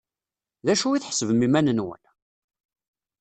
D acu i tḥesbem iman-nwen?